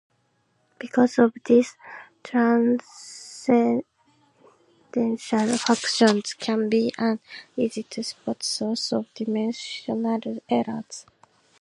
Because of this, transcendental functions can be an easy-to-spot source of dimensional errors.